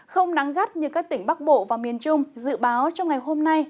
không nắng gắt như các tỉnh bắc bộ và miền trung dự báo trong ngày hôm nay